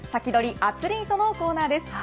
アツリートのコーナーです。